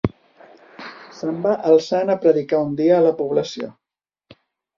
Se’n va el sant a predicar un dia a la població.